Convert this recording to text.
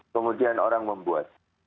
kemudian orang membuat